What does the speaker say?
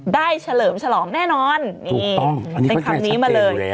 เฉลิมฉลองแน่นอนนี่เป็นคำนี้มาเลย